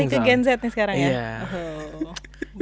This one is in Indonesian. mulai beralih ke genzet nih sekarang ya